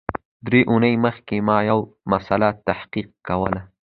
درې اونۍ مخکي ما یو مسأله تحقیق کول